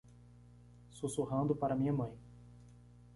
Sussurrando para minha mãe